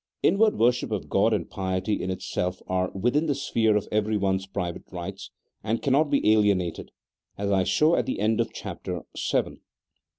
Inward worship of G od and piety in itself are within the sphere of everyone's private rights, and cannot be alienated (as I showed at the end of Chapter Vii.).